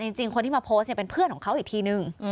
แต่จริงคนที่มาโพสต์เป็นเพื่อนของเขาอีกทีหนึ่ง